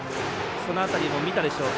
その辺りも見たでしょうか。